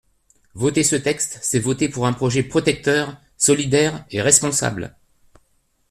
Voter ce texte, c’est voter pour un projet protecteur, solidaire et responsable.